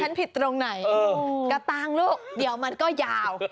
ผิดตรงไหนกระตางค์ลูกเดี๋ยวมันก็ยาว